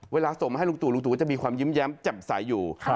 เวลาส่งมาให้ลุงตู่ลุงตู่จะมีความยิ้มแย้มจำใสอยู่